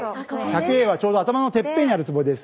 百会はちょうど頭のてっぺんにあるツボです。